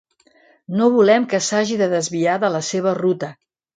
No volem que s'hagi de desviar de la seva ruta.